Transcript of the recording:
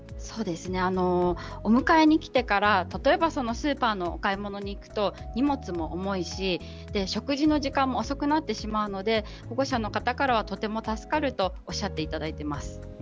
お迎えに来てから例えばスーパーにお迎えに行くと荷物も重いし、食事の時間も遅くなってしまうので保護者の方からはとても助かるとおっしゃっていただいています。